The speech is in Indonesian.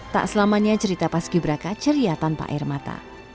tak selamanya cerita paski berakacari tanpa air mata